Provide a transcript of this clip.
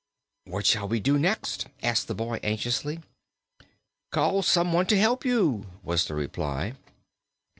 "What shall we do next?" asked the boy anxiously. "Call someone to help you," was the reply.